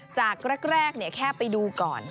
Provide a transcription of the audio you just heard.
จากแรกเนี่ยแค่ไปดูก่อน